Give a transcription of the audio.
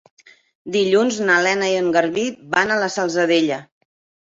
Dilluns na Lena i en Garbí van a la Salzadella.